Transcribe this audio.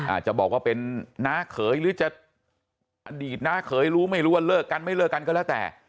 อาจจะบอกว่าเป็นน้าเขยหรือจะอดีตน้าเขยรู้ไม่รู้ว่าเลิกกันไม่เลิกกันก็แล้วแต่